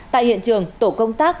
tại hiện trường tổ công tác